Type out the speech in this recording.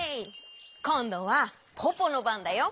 こんどはポポのばんだよ。